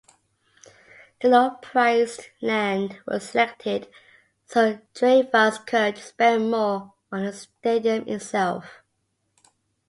The low-priced land was selected so Dreyfuss could spend more on the stadium itself.